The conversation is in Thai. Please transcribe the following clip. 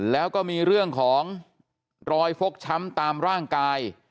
แล้วก็มีเรื่องของรอยฟกช้ำตามร่างกาย